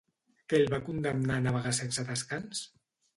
Què el va condemnar a navegar sense descans?